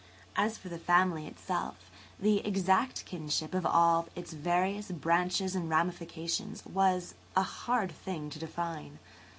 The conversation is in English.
As for the family itself, the exact kinship of all its various branches and ramifications was a hard thing to define.